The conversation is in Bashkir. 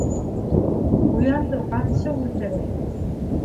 Ҡуянды ҡамсы үлтерә.